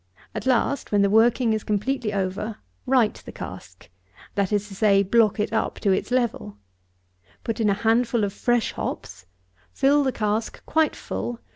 At last, when the working is completely over, right the cask. That is to say, block it up to its level. Put in a handful of fresh hops. Fill the cask quite full.